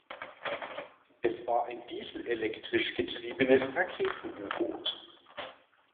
Es war ein dieselelektrisch getriebenes Raketen-U-Boot.